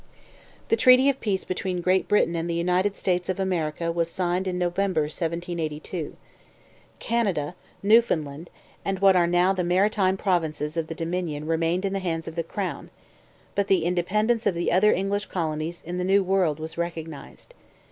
The treaty of peace between Great Britain and the United States of America was signed in November 1782. Canada, Newfoundland, and what are now the Maritime Provinces of the Dominion remained in the hands of the crown, but the independence of the other English colonies in the New World was recognized.